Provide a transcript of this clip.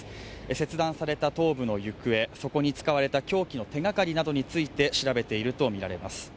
切断された頭部の行方、そこに使われた凶器の手がかりについて調べているとみられます。